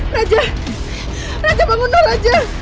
raja raja bangun dong raja